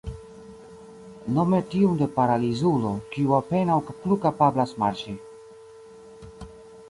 Nome tiun de paralizulo, kiu apenaŭ plu kapablas marŝi.